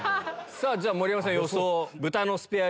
じゃ盛山さん予想。